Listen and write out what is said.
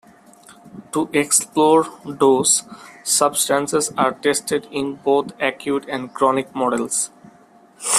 To explore dose, substances are tested in both acute and chronic models.